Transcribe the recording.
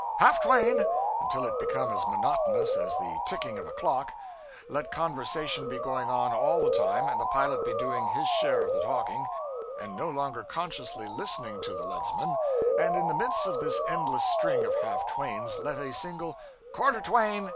half twain!' until it become as monotonous as the ticking of a clock; let conversation be going on all the time, and the pilot be doing his share of the talking, and no longer consciously listening to the leadsman; and in the midst of this endless string of half twains let a single 'quarter twain!'